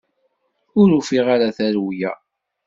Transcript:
Ur ufiɣ ara tarewla.